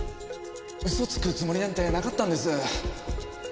嘘つくつもりなんてなかったんです。